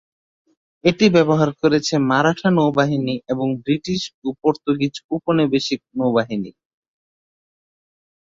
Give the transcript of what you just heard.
এটি ব্যবহার করেছে মারাঠা নৌবাহিনী এবং ব্রিটিশ ও পর্তুগিজ উপনিবেশিক নৌবাহিনী।